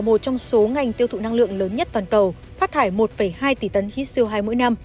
là một trong số ngành tiêu thụ năng lượng lớn nhất toàn cầu phát thải một hai tỷ tấn hít siêu hai mỗi năm